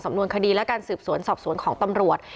นวนคดีและการสืบสวนสอบสวนของตำรวจ